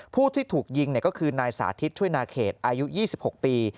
ผู้ที่ถูกยิงก็คือนายสาธิตช่วยนาเขตอายุ๒๖ปี